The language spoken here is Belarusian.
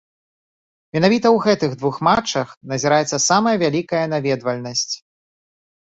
Менавіта ў гэтых двух матчах назіраецца самая вялікая наведвальнасць.